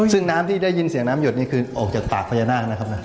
ซึ่งน้ำที่ได้ยินเสียงน้ำหยดนี่คือออกจากปากพญานาคนะครับ